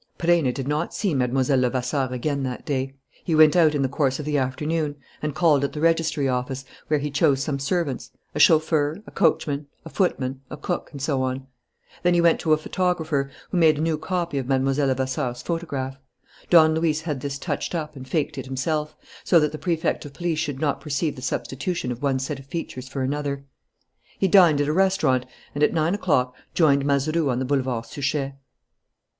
Perenna did not see Mlle. Levasseur again that day. He went out in the course of the afternoon, and called at the registry office, where he chose some servants: a chauffeur, a coachman, a footman, a cook, and so on. Then he went to a photographer, who made a new copy of Mlle. Levasseur's photograph. Don Luis had this touched up and faked it himself, so that the Prefect of Police should not perceive the substitution of one set of features for another. He dined at a restaurant and, at nine o'clock, joined Mazeroux on the Boulevard Suchet.